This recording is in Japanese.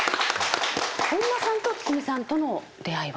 本間さんと筒美さんとの出会いは？